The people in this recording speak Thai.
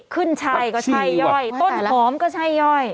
๑๒๐ขึ้นชัยก็ใช่ย่อยต้นหอมก็ใช่ย่อย